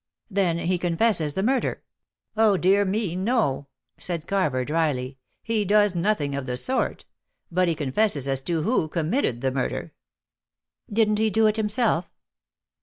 "Then he confesses the murder?" "Oh dear me, no!" said Carver dryly; "he does nothing of the sort; but he confesses as to who committed the murder." "Didn't he do it himself?"